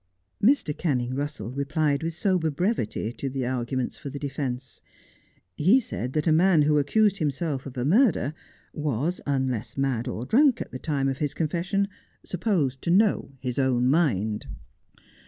Mr. Canning Eussell replied with sober brevity to the ar guments for the defence. He said that a man who accused himself of a murder was, unless mad or drunk at the time of his confession, supposed to know his own mind.